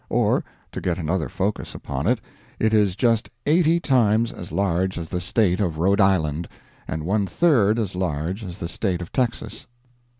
Or, to get another focus upon it, it is just 80 times as large as the state of Rhode Island, and one third as large as the State of Texas.